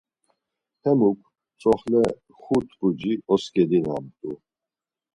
Hemuk tzoxle xut puci oskedinamt̆u.